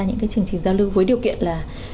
những cái chương trình giao lưu với điều kiện là